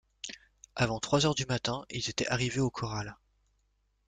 Avant trois heures du matin, ils étaient arrivés au corral.